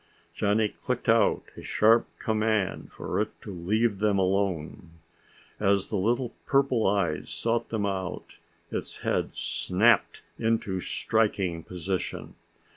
Johnny clicked out a sharp command for it to leave them alone. As the little purple eyes sought them out, its head snapped into striking position.